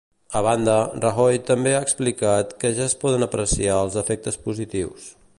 A banda, Rajoy també ha explicat que ja es poden apreciar els efectes positius.